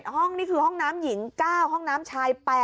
ห้องนี่คือห้องน้ำหญิง๙ห้องน้ำชาย๘